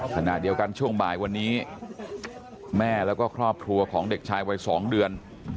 ขณะเดียวกันช่วงบ่ายวันนี้แม่แล้วก็ครอบครัวของเด็กชายวัย๒เดือน